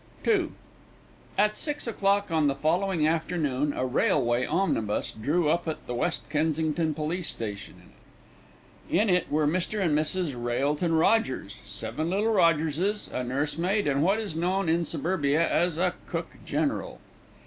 II At six o'clock on the following afternoon a railway omnibus drew up at the West Kensington police station. In it were Mr. and Mrs. Railton Rogers, seven little Rogerses, a nursemaid, and what is known in suburbia as a cook general.